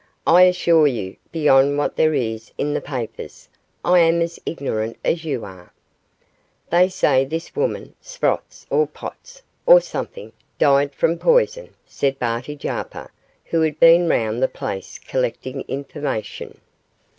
I assure you, beyond what there is in the papers, I am as ignorant as you are.' 'They say this woman Sprotts or Potts, or something died from poison,' said Barty Jarper, who had been all round the place collecting information.